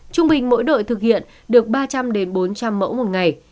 trung bình mỗi đội thực hiện được ba trăm linh bốn trăm linh mẫu một ngày